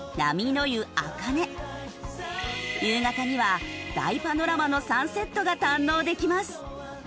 夕方には大パノラマのサンセットが堪能できます。